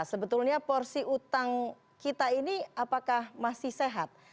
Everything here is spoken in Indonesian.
sebetulnya porsi utang kita ini apakah masih sehat